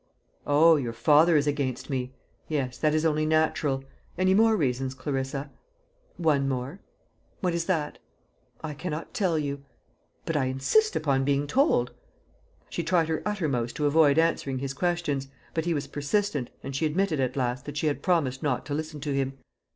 "Oh, your father is against me. Yes, that is only natural. Any more reasons, Clarissa?" "One more." "What is that?" "I cannot tell you." "But I insist upon being told." She tried her uttermost to avoid answering his questions; but he was persistent, and she admitted at last that she had promised not to listen to him.